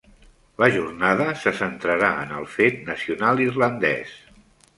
La jornada se centrarà en el fet nacional irlandès.